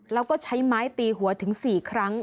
แล้วก็ใช้ไม้ตีหัวถึง๔ครั้ง